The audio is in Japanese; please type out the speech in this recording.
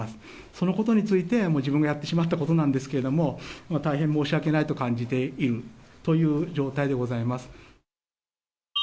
そのことについて、自分がやってしまったことなんですけども、大変申し訳ないと感じているという状態でございます。